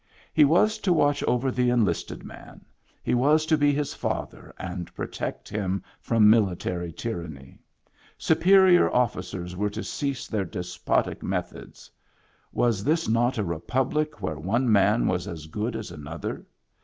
He was to watch over the enlisted man, he was to be his father and protect him from mili tary tyranny. Superior officers were to cease their despotic methods. Was this not a republic where one man was as good as another.?